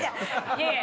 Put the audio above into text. いやいや。